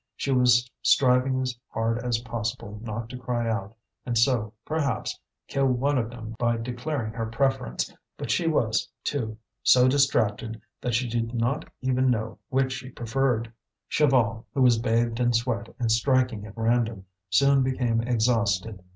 She was striving as hard as possible not to cry out, and so, perhaps, kill one of them by declaring her preference; but she was, too, so distracted that she did not even know which she preferred. Chaval, who was bathed in sweat and striking at random, soon became exhausted.